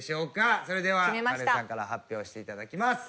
それではカレンさんから発表していただきます。